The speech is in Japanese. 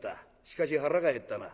しかし腹が減ったな。